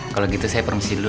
kalau gitu saya promosi dulu